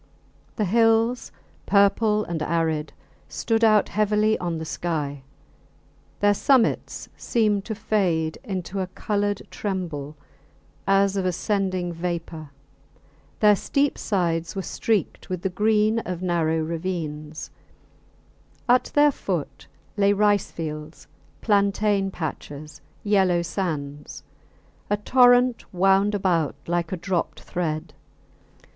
The hills, purple and arid, stood out heavily on the sky: their summits seemed to fade into a coloured tremble as of ascending vapour; their steep sides were streaked with the green of narrow ravines; at their foot lay rice fields, plantain patches, yellow sands. A torrent wound about like a dropped thread.